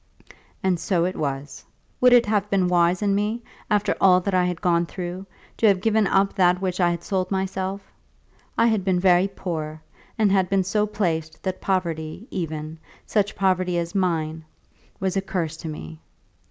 And so it was. Would it have been wise in me, after all that I had gone through, to have given up that for which I had sold myself? I had been very poor, and had been so placed that poverty, even such poverty as mine, was a curse to me.